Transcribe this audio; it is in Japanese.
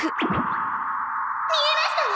見えましたわ！